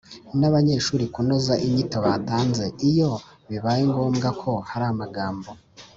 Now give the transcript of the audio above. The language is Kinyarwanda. n’abanyeshuri kunoza inyito batanze. Iyo bibaye ngombwa ko hari amagambo